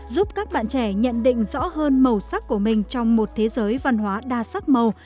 giúp các bạn trẻ nhận định rõ hơn màu sắc của mình trong một thế giới văn hóa đa sắc màu